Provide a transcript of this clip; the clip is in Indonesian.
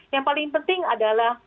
yang paling penting adalah